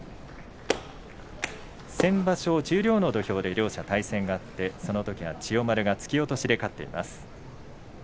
先場所、十両の土俵で両者対戦があって、そのときは千代丸が突き落としで勝っています。